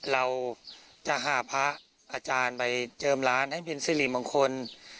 เราจะหาพระอาจารย์ไปเจิมร้านให้เป็นสิริมงคล